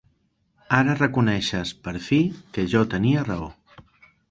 Ara reconeixes, per fi, que jo tenia raó.